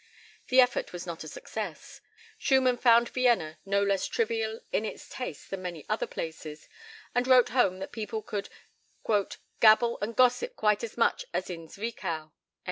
The effort was not a success; Schumann found Vienna no less trivial in its tastes than many other places, and wrote home that people could "gabble and gossip quite as much as in Zwickau."